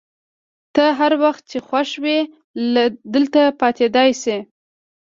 ته هر وخت چي خوښه وي دلته پاتېدای شې.